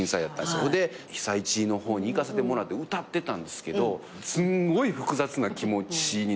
被災地の方に行かせてもらって歌ってたんですけどすんごい複雑な気持ちになるんですよ。